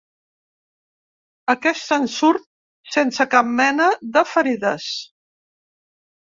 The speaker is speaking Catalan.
Aquest se'n surt sense cap mena de ferides.